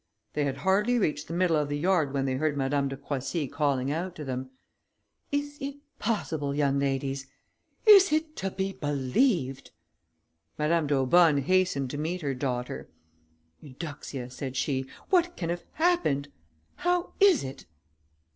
They had hardly reached the middle of the yard when they heard Madame de Croissy calling out to them, "Is it possible, young ladies! Is it to be believed!..." Madame d'Aubonne hastened to meet her daughter: "Eudoxia," said she, "what can have happened? How is it"....